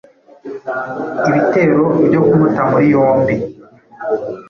ibitero byo kumuta muri yombi